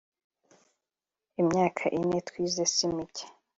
Imyaka ine twize si mike